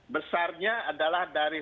besarnya adalah dari